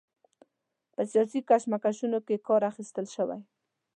په سیاسي کشمکشونو کې کار اخیستل شوی.